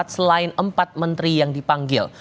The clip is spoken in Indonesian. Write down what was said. selain empat menteri yang dipanggil